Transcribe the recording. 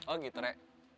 oh gitu re